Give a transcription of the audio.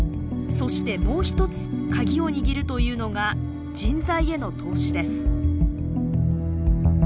そしてもう一つカギを握るというのが人材への投資です。